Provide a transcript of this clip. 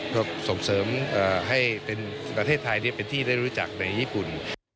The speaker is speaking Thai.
ก็ส่งเสริมให้เป็นประเทศไทยเป็นที่ได้รู้จักในญี่ปุ่น